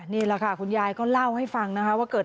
มีเลือดออกภายในสมองมาก